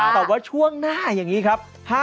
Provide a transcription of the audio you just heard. แต่ว่าช่วงหน้าอย่างนี้ครับห้ามพลาดเลย